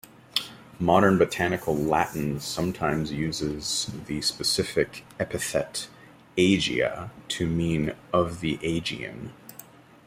Modern botanical Latin sometimes uses the specific epithet "aegea" to mean "of the Aegean".